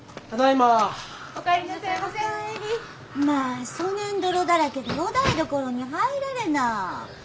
まあそねん泥だらけでお台所に入られな。